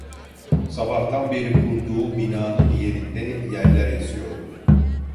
Sabahtan beri kurduğum binanın yerinde yeller esiyordu.